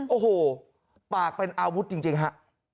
โอ้โหปากเป็นอาวุธจริงฮะ